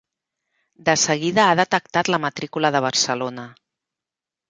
De seguida ha detectat la matrícula de Barcelona.